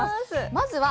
まずは。